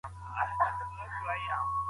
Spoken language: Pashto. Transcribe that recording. په اداره او تکنالوژۍ کي نوښتونه راوړل سوي دي.